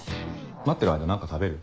待ってる間何か食べる？